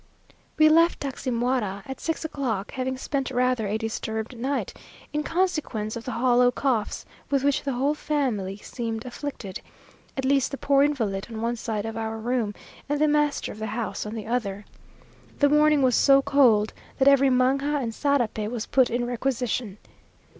We left Taximaroa at six o'clock, having spent rather a disturbed night, in consequence of the hollow coughs with which the whole family seemed afflicted, at least the poor invalid on one side of our room, and the master of the house on the other. The morning was so cold, that every manga and sarape was put in requisition.